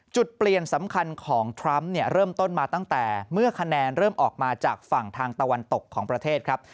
จุดเปลี่ยนสำคัญของทรัมป์เริ่มต้นมาตั้งแต่เมื่อคะแนนเริ่มออกมาจากฝั่งทางตะวันตกของประเทศครับ